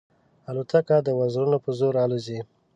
الوتکه د وزرونو په زور الوزي.